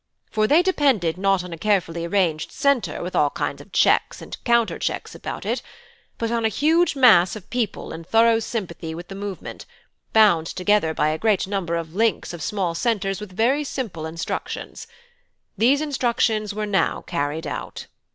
For they depended not on a carefully arranged centre with all kinds of checks and counter checks about it, but on a huge mass of people in thorough sympathy with the movement, bound together by a great number of links of small centres with very simple instructions. These instructions were now carried out.